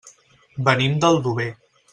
Venim d'Aldover.